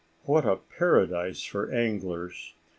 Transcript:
what a paradise for anglers!